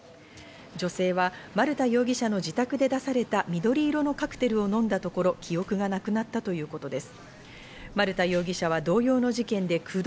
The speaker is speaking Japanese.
女性は丸田容疑者の自宅で出された緑色のカクテルを飲んだところ、記憶がなくなったということです。